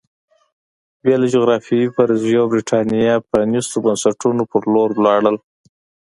بې له جغرافیوي فرضیو برېټانیا پرانېستو بنسټونو په لور لاړل